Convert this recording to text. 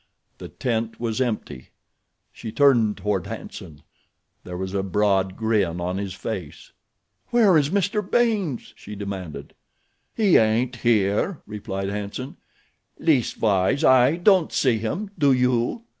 The tent was empty. She turned toward Hanson. There was a broad grin on his face. "Where is Mr. Baynes?" she demanded. "He ain't here," replied Hanson. "Leastwise I don't see him, do you?